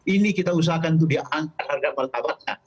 ini kita usahakan untuk diangkat harga martabatnya